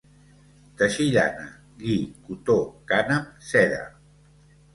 Teixir llana, lli, cotó, cànem, seda.